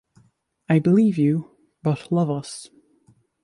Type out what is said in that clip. I believe you, but, love us!